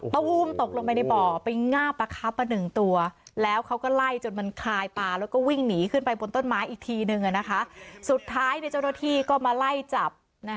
สุดท้ายแม่เจ้าโทษพี่ก็มาไล่จับ